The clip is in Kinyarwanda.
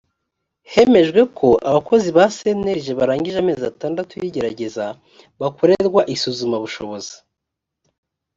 hemejwe ko abakozi ba cnlg barangije amezi atandatu y igerageza bakorerwa isuzumabushobozi